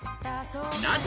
なぜ？